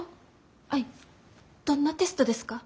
アイどんなテストですか？